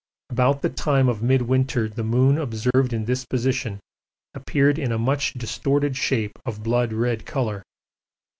About the time of midwinter the moon observed in this position appeared in a much distorted shape of blood red colour.